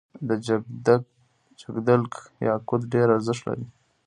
د جګدلک یاقوت ډیر ارزښت لري